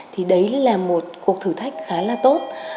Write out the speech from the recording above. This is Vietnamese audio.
thì đấy là một cuộc thử thách khá là tốt